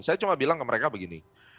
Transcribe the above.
saya cuma bilang ke mereka begini